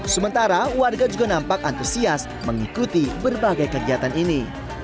sementara warga juga nampak antusias mengikuti berbagai kegiatan ini